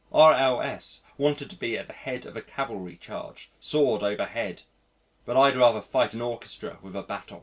R.L.S. wanted to be at the head of a cavalry charge sword over head but I'd rather fight an orchestra with a baton.